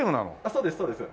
そうですそうです。